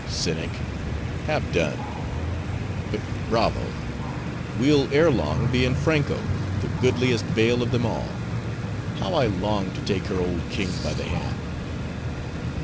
"Cynic! have done.—But bravo! we'll ere long be in Franko, the goodliest vale of them all; how I long to take her old king by the hand!"